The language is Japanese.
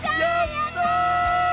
やった！